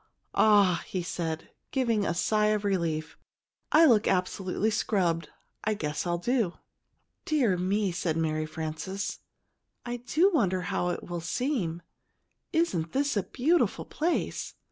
"Ah," he said, giving a sigh of relief. "I look absolutely scrubbed; I guess I'll do!" "Dear me!" said Mary Frances. "I do wonder how it will seem. Isn't this a beautiful place?